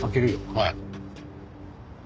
はい。